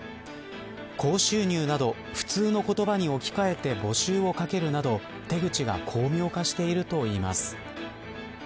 高収入など普通の言葉に置き換えて募集をかけるなど手口が巧妙化しているといいます。